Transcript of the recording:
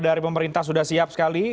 dari pemerintah sudah siap sekali